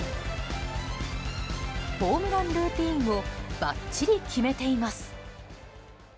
ホームランルーティンをばっちり決めています。